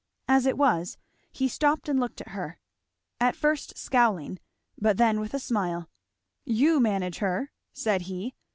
As it was, he stopped and looked at her, at first scowling, but then with a smile. "You manage her!" said he.